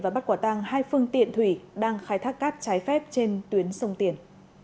và bắt quả tăng hai phương tiện thủy đang khai thác cát trái phép trên tuyến sông tiền